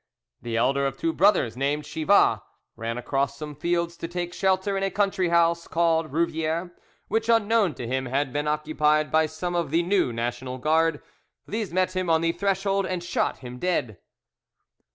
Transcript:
The elder of two brothers named Chivas ran across some fields to take shelter in a country house called Rouviere, which, unknown to him, had been occupied by some of the new National Guard. These met him on the threshold and shot him dead.